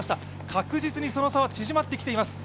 確実にその差は縮まってきています。